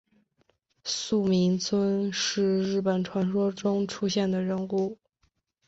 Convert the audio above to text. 素呜尊是日本传说中出现的人物。